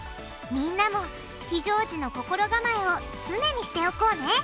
みんなも非常時の心構えを常にしておこうね！